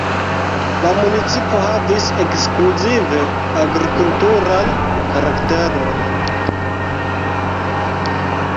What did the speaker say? La municipo havis ekskluzive agrikulturan karakteron.